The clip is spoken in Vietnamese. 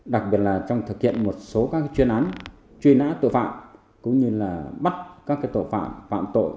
đặc biệt là trong thực hiện một số các chuyên án truy nã tội phạm cũng như là bắt các tội phạm phạm tội